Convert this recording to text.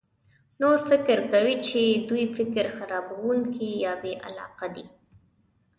نور فکر کوي چې دوی فکر خرابونکي یا بې علاقه دي.